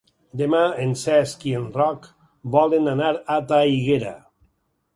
Demà en Cesc i en Roc volen anar a Traiguera.